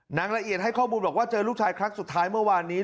นางละเอียดให้ข้อมูลบอกว่าเจอลูกชายครั้งสุดท้ายเมื่อวานนี้